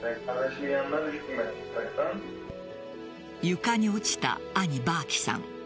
床に落ちた兄・バーキさん。